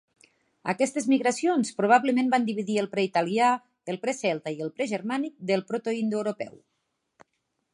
Aquestes migracions probablement van dividir el preitalià, el precelta i el pregermànic del protoindoeuropeu.